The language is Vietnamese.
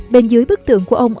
bên dưới bức tượng của ông